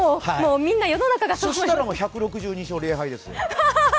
そしたら１６２勝０敗ですよ。